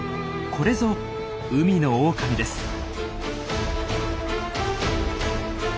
これぞ海のオオカミです。